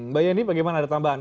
mbak yeni bagaimana ada tambahan